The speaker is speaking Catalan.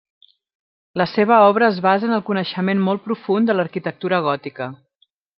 La seva obra es basa en el coneixement molt profund de l'arquitectura gòtica.